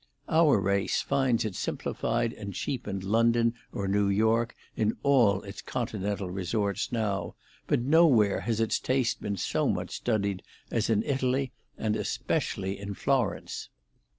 Our race finds its simplified and cheapened London or New York in all its Continental resorts now, but nowhere has its taste been so much studied as in Italy, and especially in Florence.